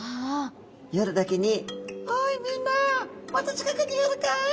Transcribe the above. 夜だけに「おいみんなもっと近くに寄るかい」